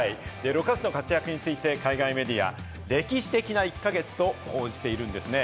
６月の活躍について海外メディアは歴史的な１か月と報じているんです。